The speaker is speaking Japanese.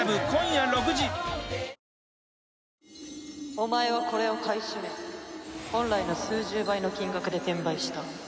お前はこれを買い占め本来の数十倍の金額で転売した。